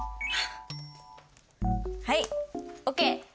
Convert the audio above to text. はいＯＫ。